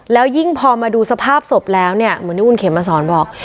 แล้วยิ่งพอมาดูสภาพศพแล้วเหมือนได้อุ่นเขียวมาสอนบอก